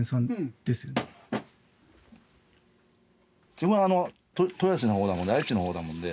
自分は豊橋のほうだもんで愛知のほうだもんで。